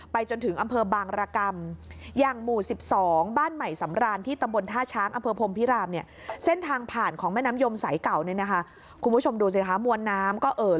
ไปจนถึงอำเภอบางรกรรม